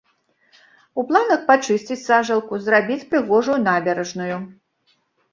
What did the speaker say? У планах пачысціць сажалку, зрабіць прыгожую набярэжную.